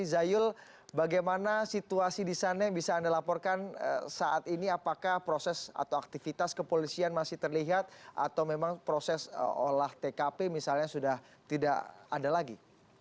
zayul bagaimana situasi di sana yang bisa anda laporkan saat ini apakah proses atau aktivitas kepolisian masih terlihat atau memang proses olah tkp misalnya sudah tidak ada lagi